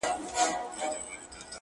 چي سېلونه د مرغیو چینارونو ته ستنیږي٫